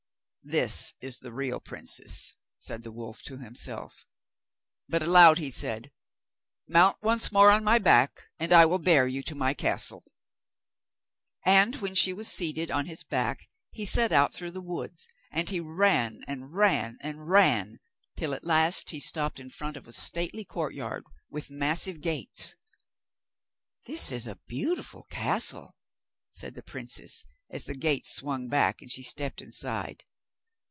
'This is the real princess,' said the wolf to himself. But aloud he said: 'Mount once more on my back, and I will bear you to my castle.' And when she was seated on his back he set out through the woods, and he ran, and ran, and ran, till at last he stopped in front of a stately courtyard, with massive gates. 'This is a beautiful castle,' said the princess, as the gates swung back and she stepped inside.